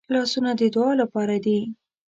لاسونه د دعا لپاره دي